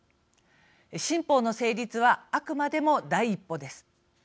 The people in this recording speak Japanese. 新法の成立はあくまでも第一歩です。